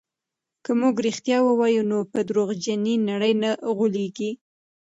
که موږ رښتیا ووایو نو په درواغجنې نړۍ نه غولېږو.